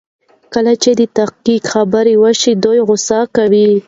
کله چې د تحقيق خبره وشي دوی غوسه کوي.